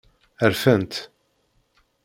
Rfant.